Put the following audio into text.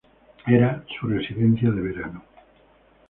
Era su residencia de veraneo.